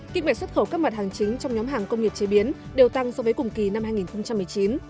kinh mệnh xuất khẩu các mặt hàng chính trong nhóm hàng công nghiệp chế biến đều tăng so với cùng kỳ năm hai nghìn một mươi chín